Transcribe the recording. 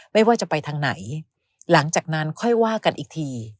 ไม่ว่าจะไปทางไหนหลังจากนั้นค่อยว่ากันอีกที